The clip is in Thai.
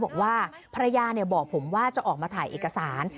บอกว่าภรรยาบอกผมว่าจะออกมาถ่ายเอกสาร